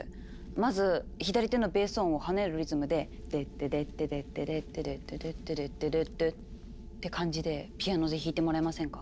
まず左手のベース音を跳ねるリズムで「デッデデッデデッデデッデデッデデッデデッデデッデ」って感じでピアノで弾いてもらえませんか？